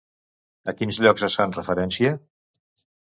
A quins llocs es fan referència?